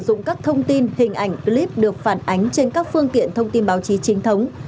sử dụng các thông tin hình ảnh clip được phản ánh trên các phương tiện thông tin báo chí trinh thống